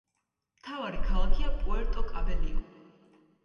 მთავარი ქალაქია პუერტო-კაბელიო.